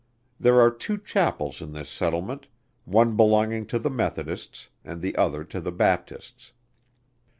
There are two Chapels in this settlement, one belonging to the Methodists and the other to the Baptists.